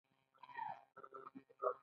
آیا د غوښې بیه لوړه شوې؟